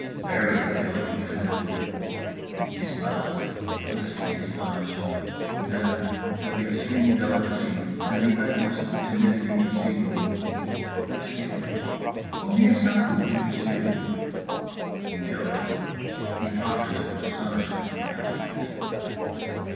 _" "Very," we tell him truthfully. He smiles, blissfully astonished. Then, with extreme delicacy and the utmost timidity conceivable "monsieur, combien ça coute, monsieur?" We tell him. He totters with astonishment and happiness.